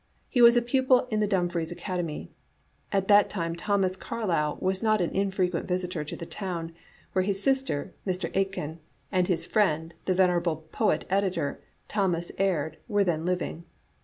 He was a pupil in the Dumfries Academy. At that time Thomas Carlyle was a not infrequent visitor to the town, where his sister, Mrs. Aitken, and his friend, the venerable poet editor, Thomas Aird, were then living.